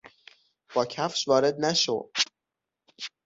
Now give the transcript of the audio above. با کفش وارد نشو!